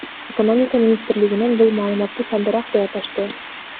Экономика министрлигинен бул маалыматты сандырак деп аташты.